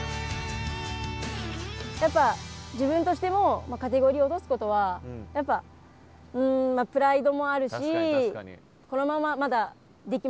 やっぱ自分としてもカテゴリーを落とすことはうんプライドもあるしこのまままだできますしサッカー